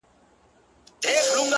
زموږ پر زخمونو یې همېش زهرپاشي کړې ده!!